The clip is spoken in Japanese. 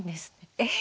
えっ？